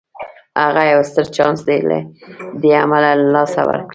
هغه يو ستر چانس له دې امله له لاسه ورکړ.